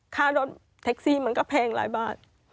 ค่ารถแท็กซี่มันก็แพงหลายบาท